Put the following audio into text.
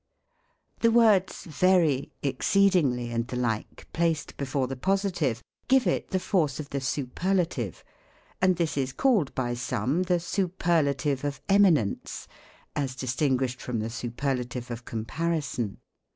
The words very, exceedingly, and the like, placed before the positive, give it the force of the superlative ; ETYMOLOGY. 41 and this is called by some the superlative of eminence, as distinguished from the superlative of comparison.